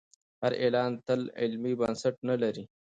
هر اعلان تل علمي بنسټ نه لري.